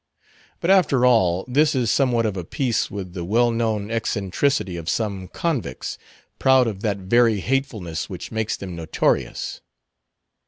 But after all, this is somewhat of a piece with the well known eccentricity of some convicts, proud of that very hatefulness which makes them notorious.